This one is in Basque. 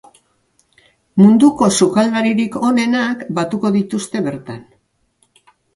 Munduko sukaldaririk onenak batuko dituzte bertan.